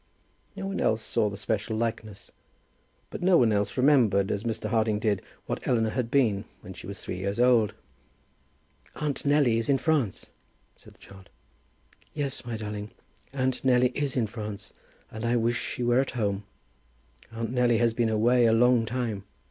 No one else saw the special likeness, but no one else remembered, as Mr. Harding did, what Eleanor had been when she was three years old. [Illustration: "She's more like Eleanor than any one else."] "Aunt Nelly is in France," said the child. "Yes, my darling, aunt Nelly is in France, and I wish she were at home. Aunt Nelly has been away a long time."